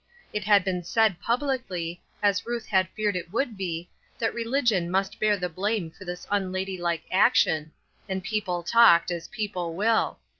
It had been said publicly, as Ruth had feared it would be, that religion must bear the blame for this unladylike action, and people talked, as people will.